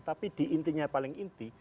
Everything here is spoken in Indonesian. tapi di intinya paling inti